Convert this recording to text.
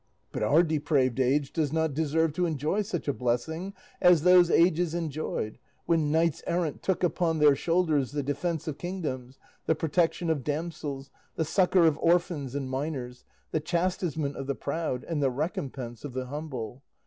But our depraved age does not deserve to enjoy such a blessing as those ages enjoyed when knights errant took upon their shoulders the defence of kingdoms, the protection of damsels, the succour of orphans and minors, the chastisement of the proud, and the recompense of the humble.